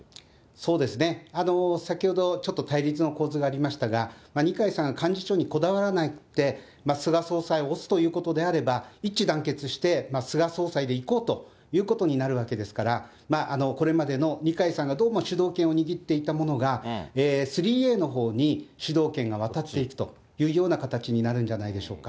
そうですね、先ほどちょっと対立の構図がありましたが、二階さんが幹事長にこだわらないって、菅総裁を推すということであれば、一致団結して菅総裁で行こうということになるわけですから、これまでの、二階さんがどうも主導権を握っていたものが、３Ａのほうに主導権が渡っていくというような形になるんじゃないでしょうか。